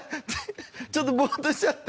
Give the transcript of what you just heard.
ちょっとぼーっとしちゃって。